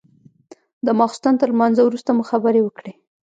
د ماخستن تر لمانځه وروسته مو خبرې وكړې.